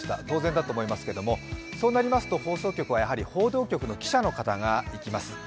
当然だと思いますけどもそうなりますと放送局はやはり報道局の記者の方が行きます。